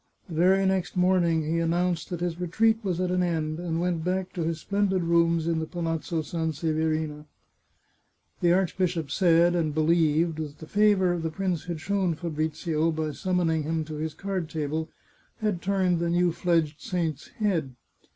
The very next morning he announced that his retreat was at an end, and went back to his splendid rooms in the Palazzo Sanseverina. The archbishop said, and believed, that the favour the prince had shown Fabrizio by summoning him to his card table had turned the new fledged saint's head.